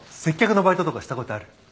接客のバイトとかしたことある？